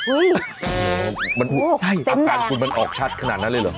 อุ๊ยมันพูดอันแปลงคุณมันออกชัดขนาดนั้นเลยหรือ